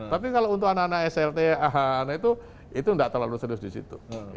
tapi kalau untuk anak anak slt ah itu tidak terlalu serius di situ